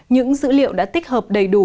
những dữ liệu đã tích hợp đầy đủ